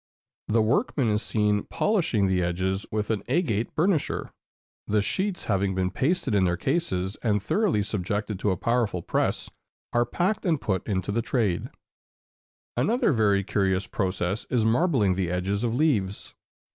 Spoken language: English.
The workman is seen polishing the edges with an agate burnisher. The sheets having been pasted in their cases, and thoroughly subjected to a powerful press, are packed and put into the trade. [Illustration: Marbling.] Another very curious process is marbling the edges of leaves.